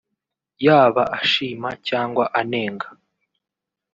yaba ashima cyangwa anenga